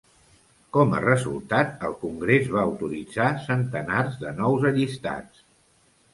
Com a resultat, el Congrés va autoritzar centenars de nous allistats.